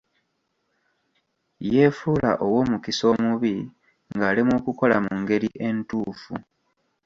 Yeefuula ow'omukisa omubi ng'alemwa okukola mu ngeri entuufu.